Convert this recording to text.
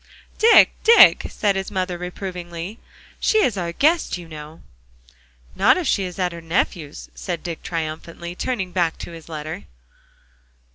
"Dick, Dick," said his mother reprovingly, "she is our guest, you know." "Not if she is at her nephew's," said Dick triumphantly, turning back to his letter.